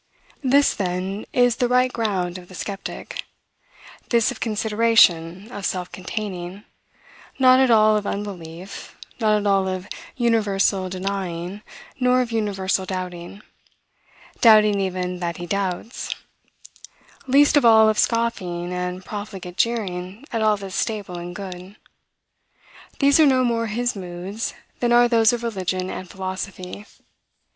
This, then, is the right ground of the skeptic, this of consideration, of self containing; not at all of unbelief; not at all of universal denying, nor of universal doubting, doubting even that he doubts; least of all, of scoffing and profligate jeering at all that is stable and good. These are no more his moods than are those of religion and philosophy.